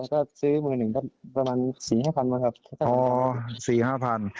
ก็ซื้อมือหนึ่งก็ประมาณสี่ห้าพันบ้างครับอ๋อสี่ห้าพัน